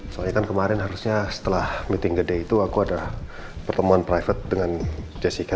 soalnya kan kemarin harusnya setelah meeting gede itu aku ada pertemuan private dengan jessica